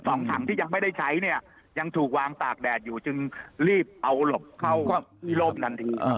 ถังที่ยังไม่ได้ใช้เนี่ยยังถูกวางตากแดดอยู่จึงรีบเอาหลบเข้าวิโรธทันที